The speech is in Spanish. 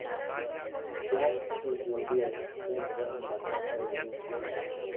Jack y Juliet entran en casa de Ben.